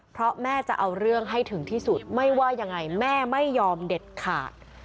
เพราะแม่จะเอาเรื่องให้ถึงที่สุดไม่ว่ายังไงแม่ไม่ยอมเด็ดขาด